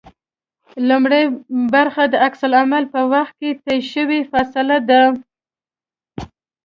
لومړۍ برخه د عکس العمل په وخت کې طی شوې فاصله ده